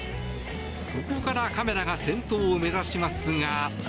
そこからカメラが先頭を目指しますが。